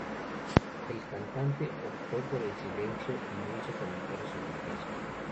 El cantante optó por el silencio y no hizo comentarios sobre el caso.